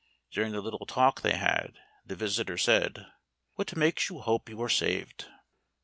During the little talk they had, the visitor said: "What makes you hope you are saved?"